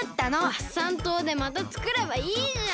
ワッサン島でまたつくればいいじゃん。